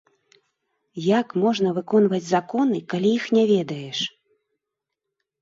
Як можна выконваць законы, калі іх не ведаеш?